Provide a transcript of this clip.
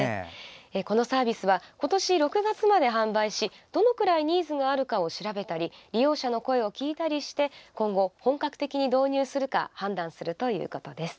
このサービスは今年６月まで販売しどのくらいニーズがあるかを調べたり利用者の声を聞いたりして今後、本格的に導入するか判断するということです。